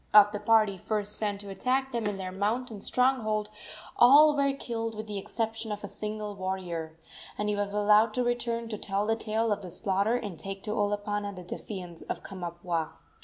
Of the party first sent to attack them in their mountain stronghold all were killed with the exception of a single warrior, and he was allowed to return to tell the tale of the slaughter and take to Olopana the defiance of Kamapuaa.